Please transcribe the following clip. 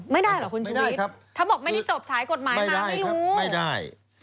ไม่ได้เหรอคุณชุวิตถ้าบอกไม่ได้จบสายกฎหมายมาไม่รู้ไม่ได้